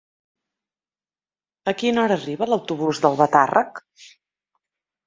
A quina hora arriba l'autobús d'Albatàrrec?